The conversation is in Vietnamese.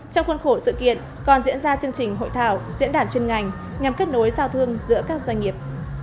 trong khuôn khổ sự kiện còn diễn ra chương trình hội thảo diễn đàn chuyên ngành nhằm kết nối giao thương giữa các doanh nghiệp